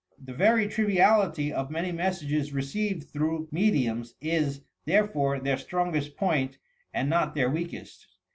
The very trivial ity of many messages received through mediums is, therefore, their strongest point and not their weakest.